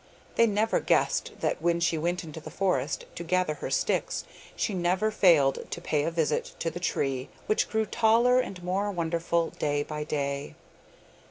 They never guessed that when she went into the forest to gather her sticks, she never failed to pay a visit to the tree, which grew taller and more wonderful day by day.